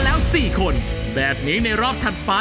ช่วยฝังดินหรือกว่า